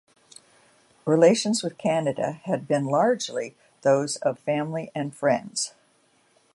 Relations with Canada had been largely those of family and friends.